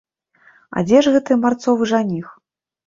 А дзе ж гэты марцовы жаніх?